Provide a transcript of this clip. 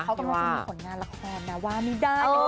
ต้องมีผลงานละครนะว่าไม่ได้